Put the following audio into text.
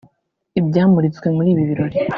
Ibyamuritswe muri ibi birori